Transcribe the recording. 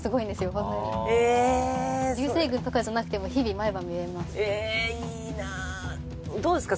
ホントにえ流星群とかじゃなくても日々毎晩見れますえいいなどうですか？